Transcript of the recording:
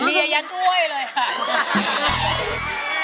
เหลี่ยยังด้วยเลยค่ะ